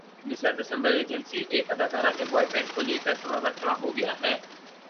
مصر دسمبرایجنسی ایک اداکارہ کے بوائے فرینڈ کو لیکر تنازعہ کھڑا ہو گیا ہے